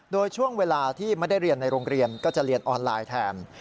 โดยช่วงเวลาที่ไม่ได้เรียนในโรงเรียนก็จะเรียนออนไลน์แทน